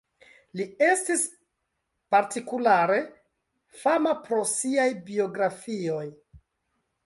Li estis partikulare fama pro siaj biografioj.